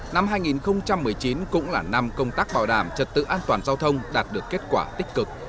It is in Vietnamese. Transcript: năm hai nghìn một mươi chín cũng là năm công tác bảo đảm trật tự an toàn giao thông đạt được kết quả tích cực